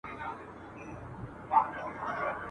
پر زړه هر گړی را اوري ستا یادونه ,